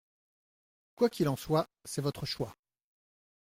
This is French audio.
Quoi qu’il en soit, c’est votre choix.